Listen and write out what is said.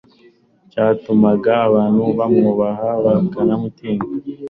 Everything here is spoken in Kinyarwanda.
cyatumaga abantu bamwubaha bakanamutinya.